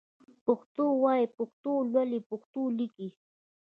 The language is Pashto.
پښتو وايئ ، پښتو لولئ ، پښتو ليکئ